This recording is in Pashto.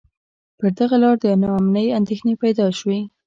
پر دغه لار د نا امنۍ اندېښنې پیدا شوې.